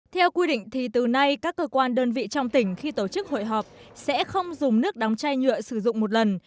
theo quy định thì từ nay các cơ quan đơn vị trong tỉnh khi tổ chức hội họp sẽ không dùng nước đóng chai nhựa sử dụng một lần